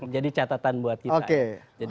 jadi catatan buat kita